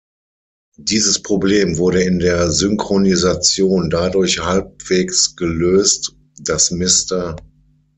Dieses Problem wurde in der Synchronisation dadurch halbwegs gelöst, dass Mr.